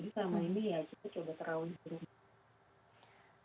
jadi selama ini ya kita coba taraweh di rumah